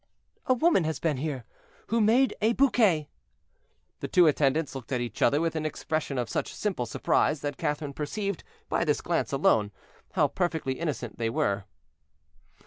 "A woman has been here, who made a bouquet—" The two attendants looked at each other with an expression of such simple surprise that Catherine perceived, by this glance alone, how perfectly innocent they were.